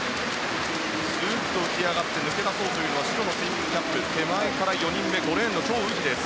スーッと浮き上がって抜け出そうというのは白のスイミングキャップ手前から４人目５レーンのチョウ・ウヒです。